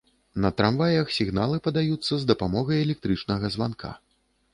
На трамваях сігналы падаюцца з дапамогай электрычнага званка.